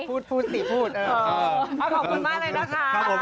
พูดไม่หน่อยพูดสิพูด